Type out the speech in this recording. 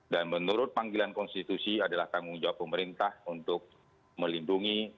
menurut panggilan konstitusi adalah tanggung jawab pemerintah untuk melindungi